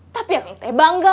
tapi akang teh bangga